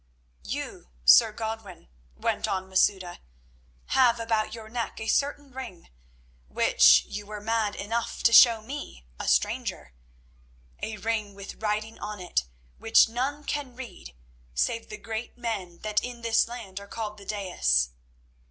"You, Sir Godwin," went on Masouda, "have about your neck a certain ring which you were mad enough to show to me, a stranger—a ring with writing on it which none can read save the great men that in this land are called the _daïs_s.